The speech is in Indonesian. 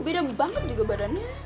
beda banget juga badannya